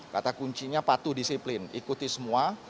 kata kuncinya patuh disiplin ikuti semua